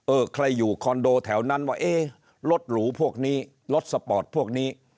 ใครอยู่คอนโดแถวนั้นว่าเอ๊ะรถหรูพวกนี้รถสปอร์ตพวกนี้